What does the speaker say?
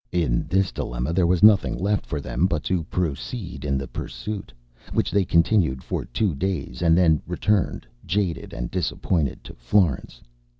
In this dilemma there was nothing left for them but to proceed in the pursuit, which they continued for two days, and then returned, jaded and disappointed, to Florence.